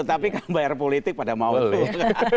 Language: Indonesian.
tapi kan bayar politik pada maut